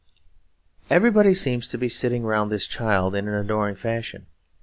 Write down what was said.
Everybody seems to be sitting round this child in an adoring fashion.